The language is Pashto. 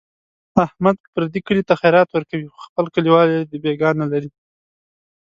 احمد پردي کلي ته خیرات ورکوي، خو خپل کلیوال یې دبیګاه نه لري.